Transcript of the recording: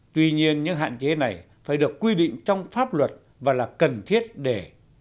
tuy nhiên những hạn chế này phải được quy định trong pháp luật và là cần thiết để